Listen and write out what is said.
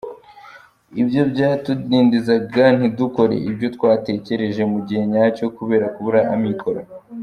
Ibyo byatudindizaga ntidukore ibyo twatekereje mu gihe nyacyo kubera kubura amikoro.